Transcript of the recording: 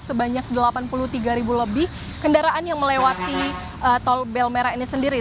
sebanyak delapan puluh tiga ribu lebih kendaraan yang melewati tol belmera ini sendiri